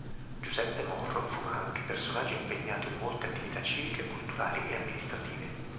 Giuseppe Morro fu anche personaggio impegnato in molte attività civiche culturali e amministrative.